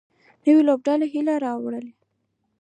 نوې لوبډله هیله راولي